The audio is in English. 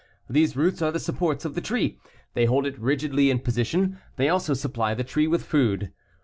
These roots are the supports of the tree. They hold it rigidly in position. They also supply the tree with food.